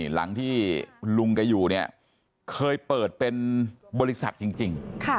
หลังที่ลุงกับอยู่เคยเปิดเป็นบริษัทจริง